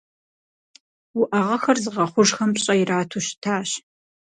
Уӏэгъэхэр зыгъэхъужхэм пщӏэ ирату щытащ.